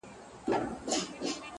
o د رڼاگانو شيسمحل کي به دي ياده لرم؛